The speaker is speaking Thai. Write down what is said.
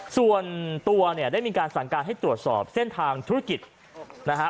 ส่วนตัวเนี่ยได้มีการสั่งการให้ตรวจสอบเส้นทางธุรกิจนะฮะ